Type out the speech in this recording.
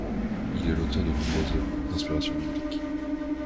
Il est l'auteur de nombreuses œuvres d'inspiration biblique.